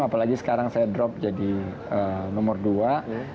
apalagi sekarang saya drop jadi nomor dua